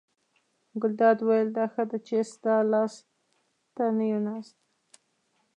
ګلداد وویل: دا ښه دی چې ستا لاس ته نه یو ناست.